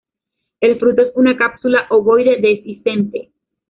El fruto es una cápsula ovoide, dehiscente.